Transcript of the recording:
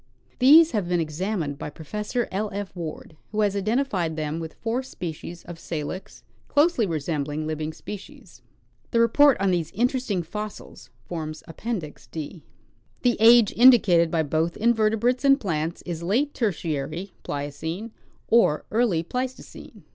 These have been examined by Pro fessor L. F. Ward, who has identified them with four species of Salix, closely resembling living species. The report on these in teresting fossils forms Appendix D. The age indicated by both invertebrates and plants is late Ter tiary (Pliocene) or early Pleistocene.